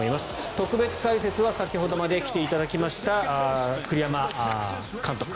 特別解説は先ほどまで来ていただきました栗山監督。